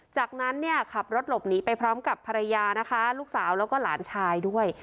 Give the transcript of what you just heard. จากนั้นเนี่ยขับรถหลบหนีไปพร้อมกับภรรยานะคะลูกสาวแล้วก็หลานชายด้วย